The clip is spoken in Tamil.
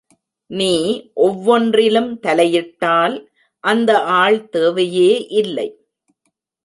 நீ ஒவ்வொன்றிலும் தலையிட்டால் அந்த ஆள் தேவையே இல்லை.